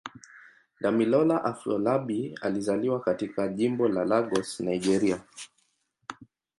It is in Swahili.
Damilola Afolabi alizaliwa katika Jimbo la Lagos, Nigeria.